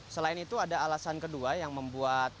selain itu ada alasan kedua yang membuat